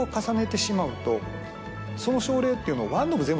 その症例っていうのを。